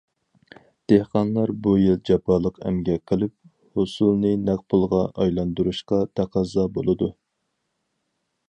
دېھقانلار بىر يىل جاپالىق ئەمگەك قىلىپ، ھوسۇلنى نەق پۇلغا ئايلاندۇرۇشقا تەقەززا بولىدۇ.